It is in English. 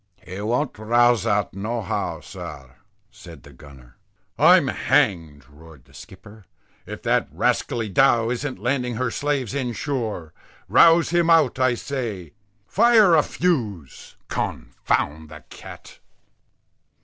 "He won't rouse out no how, sir," said the gunner. "I'm hanged" roared the skipper, "if that rascally dhow isn't landing her slaves inshore. Rouse him out I say. Fire a fuse _con_found the cat."